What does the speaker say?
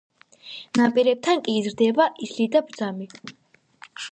ნაპირებთან კი იზრდება ისლი და ბრძამი.